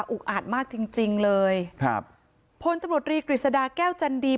อุ้กอาดมากจริงเลยพลตำรวจรีกฤษฎาแก้วจันดี